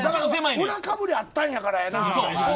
裏かぶり、あったんやから。